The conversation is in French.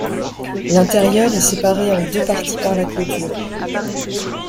L'intérieur est séparé en deux parties par la clôture.